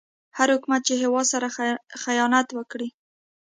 هر حکومت چې هيواد سره خيانت وکړي